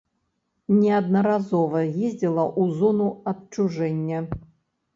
Неаднаразова ездзіла ў зону адчужэння.